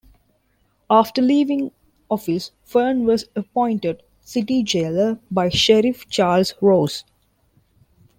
After leaving office Fern was appointed City Jailer by Sheriff Charles Rose.